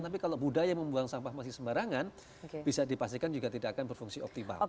tapi kalau budaya membuang sampah masih sembarangan bisa dipastikan juga tidak akan berfungsi optimal